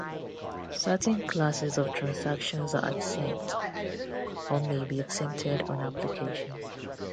Certain classes of transactions are exempt, or may be exempted on application.